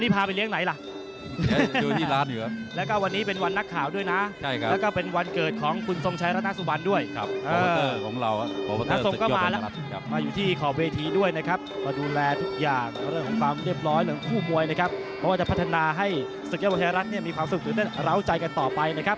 เพราะเราจะพัฒนาให้สุขเยาะบัชรรถมีความสุขตื่นและร้าวใจกันต่อไป